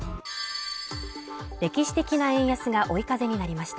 歴史的な円安が追い風になりました